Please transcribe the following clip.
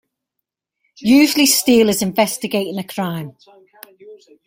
Usually Steele is investigating a crime.